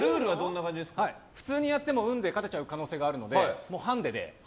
普通にやっても運で勝てちゃう可能性があるのでハンデで。